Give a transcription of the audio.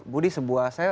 budi sebuah seorang